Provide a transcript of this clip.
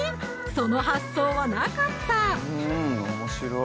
その発想はなかった！